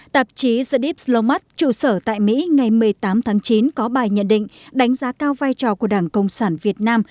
tạp chí the slow trụ sở tại mỹ ngày một mươi tám tháng chín có bài nhận định đánh giá cao vai trò của đảng cộng sản việt nam